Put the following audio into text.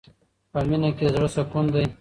په مینه کې د زړه سکون دی.